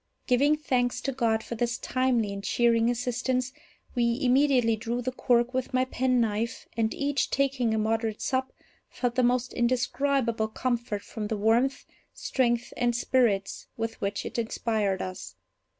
Giving thanks to God for this timely and cheering assistance, we immediately drew the cork with my penknife, and, each taking a moderate sup, felt the most indescribable comfort from the warmth, strength, and spirits with which it inspired us.